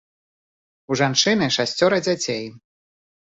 У жанчыны шасцёра дзяцей.